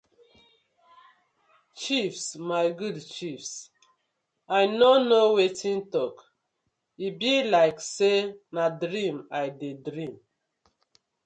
Chiefs my good chiefs I no kno wetin tok e bi like say na dream I dey dream.